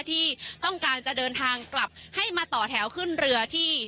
ที่ต้องการจะเดินทางกลับให้มาต่อแถวขึ้นเรือที่